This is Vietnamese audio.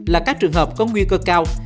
là các trường hợp có nguy cơ cao